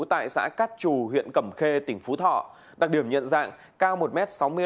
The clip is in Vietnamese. tại xã cát trù huyện cẩm khê tỉnh phú thọ đặc điểm nhận dạng cao một m sáu mươi năm